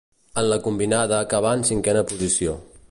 En la combinada acabà en cinquena posició.